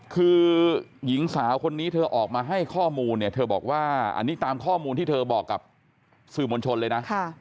คือหญิงสาวคนนี้เธอออกมาให้ข้อมูลเนี่ยเธอบอกว่าอันนี้ตามข้อมูลที่เธอบอกกับสื่อมวลชนเลยนะ